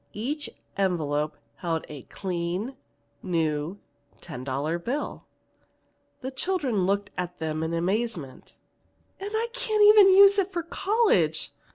Each envelope held a clean new ten dollar bill. The children looked at them in amazement. "And I can't use it for college!"